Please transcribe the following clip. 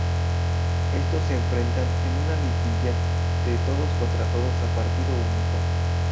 Estos se enfrentan en una liguilla de todos contra todos a partido único.